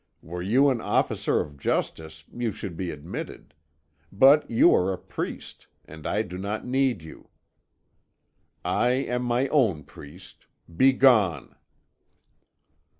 Were you an officer of justice you should be admitted; but you are a priest, and I do not need you. I am my own priest. Begone.'